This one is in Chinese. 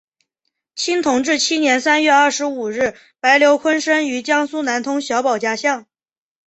清同治七年三月二十五日白毓昆生于江苏南通小保家巷。